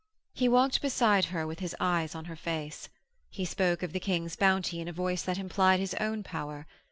He walked beside her with his eyes on her face. He spoke of the King's bounty in a voice that implied his own power.